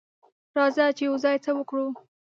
راځه چې یوځای څه وکړو.